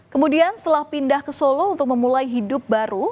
kemudian setelah pindah ke solo untuk memulai hidup baru